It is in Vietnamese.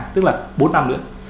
tức là bốn năm nữa